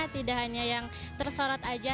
tidak hanya yang tersorot aja